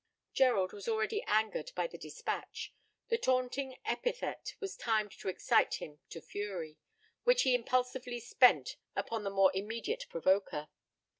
Gerald was already angered by the dispatch. The taunting epithet was timed to excite him to fury, which he impulsively spent upon the more immediate provoker.